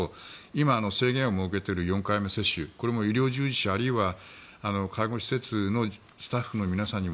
今、制限を設けている４回目接種これも医療従事者あるいは介護施設のスタッフの皆さんに